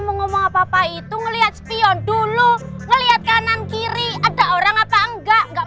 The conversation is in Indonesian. mau ngomong apa apa itu ngeliat spion dulu ngelihat kanan kiri ada orang apa enggak enggak